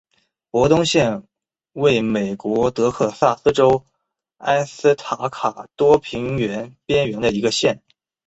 博登县位美国德克萨斯州埃斯塔卡多平原边缘的一个县。